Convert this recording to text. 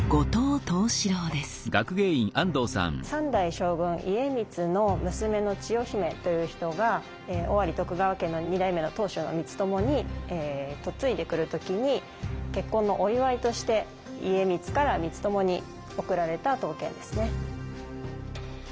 ３代将軍家光の娘の千代姫という人が尾張徳川家の２代目の当主の光友に嫁いで来る時に結婚のお祝いとして家光から光友に贈られた刀剣ですね。